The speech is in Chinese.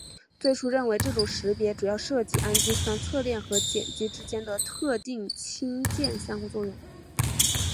最初认为这种识别主要涉及氨基酸侧链和碱基之间的特定氢键相互作用。